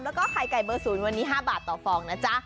แล้วก็ไข่ไก่เบอร์๐วันนี้๕บาทต่อฟองนะจ๊ะ